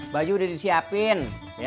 baju udah disiapin